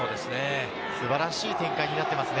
素晴らしい展開になっていますね。